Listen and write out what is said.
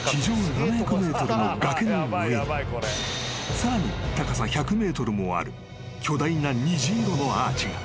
［さらに高さ１００ｍもある巨大な虹色のアーチが］